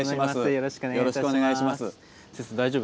よろしくお願いします。